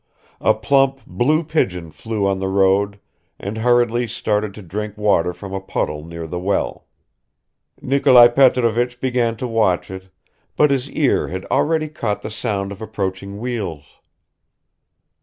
A plump blue pigeon flew on to the road and hurriedly started to drink water from a puddle near the well. Nikolai Petrovich began to watch it, but his ear had already caught the sound of approaching wheels